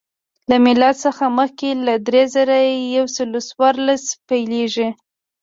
له میلاد څخه مخکې له درې زره یو سل څوارلس پیلېږي